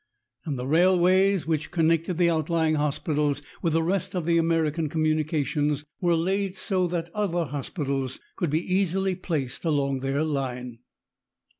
And the railways which connected the outlying hospitals with the rest of the American communications were laid so that other hospitals could be easily placed along their line.